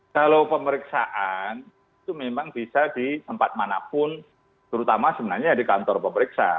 kalau pemeriksaan itu memang bisa di tempat manapun terutama sebenarnya di kantor pemeriksa